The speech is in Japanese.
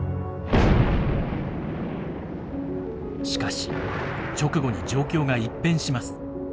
しかし直後に状況が一変します。